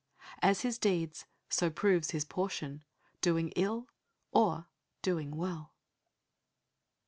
As his deeds, so proves his portion, doing ill or doing well